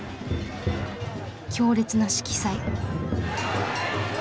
強烈な色彩。